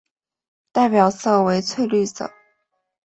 代表色为翠绿色。